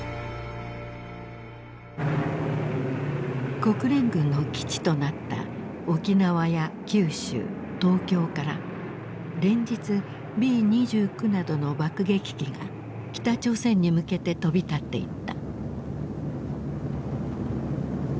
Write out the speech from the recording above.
国連軍の基地となった沖縄や九州東京から連日Ｂ２９などの爆撃機が北朝鮮に向けて飛び立っていった。